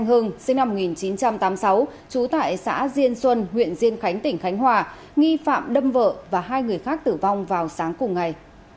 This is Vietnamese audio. trần hưng sinh năm một nghìn chín trăm tám mươi sáu trú tại xã diên xuân huyện diên khánh tỉnh khánh hòa nghi phạm đâm vợ và hai người khác tử vong vào sáng cùng ngày